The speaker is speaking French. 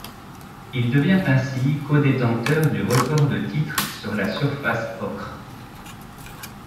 Il devient ainsi co-détenteur du record de titres sur la surface ocre.